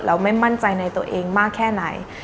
แล้วไม่มั่นใจในตัวเองมากแค่ไหน